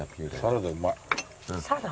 サラダうまい？